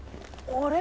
あれ？